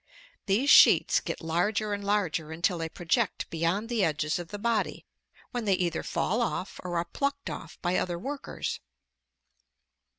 These sheets get larger and larger until they project beyond the edges of the body, when they either fall off or are plucked off by other workers.